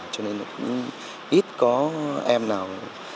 cho nên ít có em nào